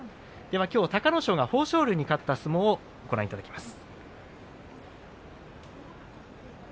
隆の勝が豊昇龍に勝った相撲をご覧いただきます。